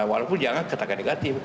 walaupun jangan ketaka negatif